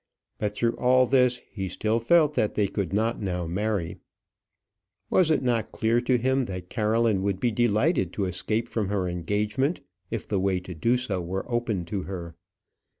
But through all this, he still felt that they could not now marry. Was it not clear to him that Caroline would be delighted to escape from her engagement if the way to do so were opened to her?